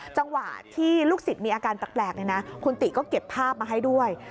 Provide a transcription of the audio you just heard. จังหวะที่ลูกศิษย์มีอาการแปลกคุณติก็เก็บภาพมาให้ด้วย